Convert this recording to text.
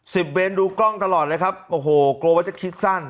เบนดูกล้องตลอดเลยครับโอ้โหกลัวว่าจะคิดสั้น